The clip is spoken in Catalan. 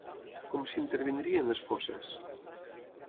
Com s'intervindrien les fosses?